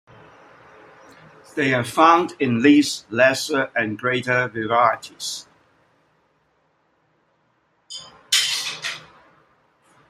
They are found in least, lesser, and greater varieties.